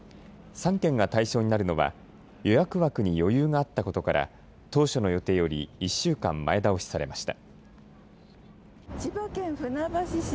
３県が対象になるのは予約枠に余裕があったことから当初の予定より１週間、前倒しされました。